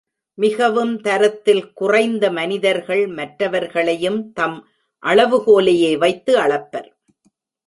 மிகவும் தரத்தில் குறைந்த மனிதர்கள் மற்றவர்களையும் தம் அளவுகோலையே வைத்து அளப்பர்.